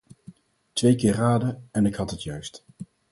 Twee keer raden en ik had het juist.